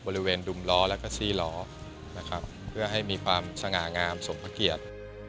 บริเวณดุมล้อแล้วก็ซี่ล้อนะครับเพื่อให้มีความสง่างามสมพระเกียรติ